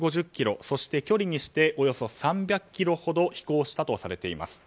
距離にしておよそ３００ｋｍほど飛行したとされています。